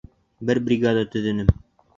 Бер бригада төҙөнөм.